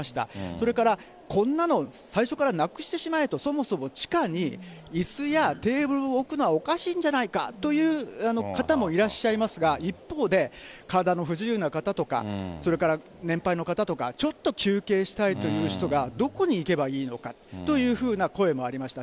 それから、こんなの最初からなくしてしまえと、そもそも地下にいすやテーブルを置くのはおかしいんじゃないかという方もいらっしゃいますが、一方で、体の不自由な方とか、それから年配の方とか、ちょっと休憩したいという人がどこに行けばいいのかというふうな声もありました。